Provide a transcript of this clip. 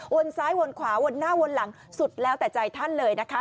ซ้ายวนขวาวนหน้าวนหลังสุดแล้วแต่ใจท่านเลยนะคะ